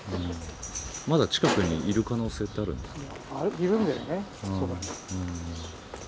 まだ近くにいる可能性ってあるんですか。